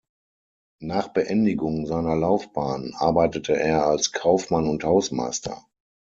Nach Beendigung seiner Laufbahn arbeitete er als Kaufmann und Hausmeister.